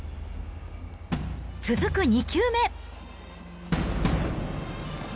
続く２球目。